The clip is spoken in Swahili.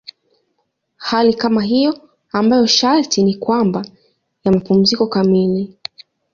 Hali kama hiyo ambayo sharti ni kwamba ya mapumziko kamili.